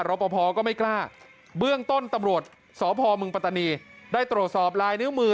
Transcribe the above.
รอปภก็ไม่กล้าเบื้องต้นตำรวจสพมปัตตานีได้ตรวจสอบลายนิ้วมือ